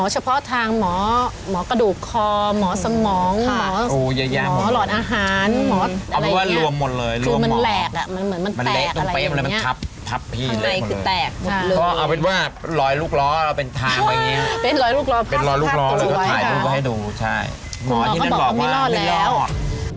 หมอที่นั่นบอกว่าไม่รอดแล้วหมอที่นั่นบอกว่าไม่รอด